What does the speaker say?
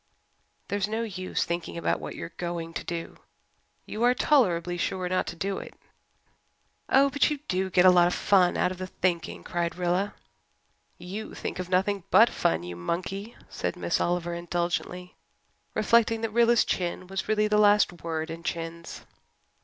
"There's no use thinking about what you're going to do you are tolerably sure not to do it." "Oh, but you do get a lot of fun out of the thinking," cried Rilla. "You think of nothing but fun, you monkey," said Miss Oliver indulgently, reflecting that Rilla's chin was really the last word in chins.